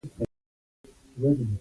دا لټه د ژوند محرک ځواک دی.